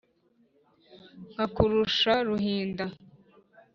Nkakurusha Ruhinda,